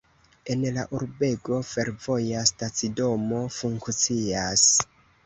En la urbego fervoja stacidomo funkcias.